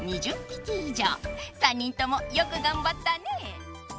３にんともよくがんばったね！